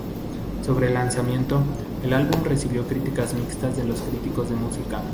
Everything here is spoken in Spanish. Sobre el lanzamiento, el álbum recibió críticas mixtas de los críticos de música.